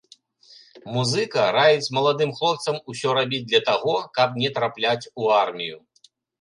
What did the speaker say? Музыка раіць маладым хлопцам усё рабіць для таго, каб не трапляць у армію.